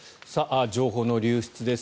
情報の流出です。